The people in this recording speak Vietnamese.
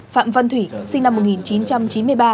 phạm văn thủy sinh năm một nghìn chín trăm chín mươi ba